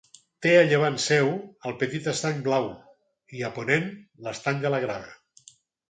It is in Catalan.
Té a llevant seu el Petit Estany Blau i a ponent l'Estany de la Grava.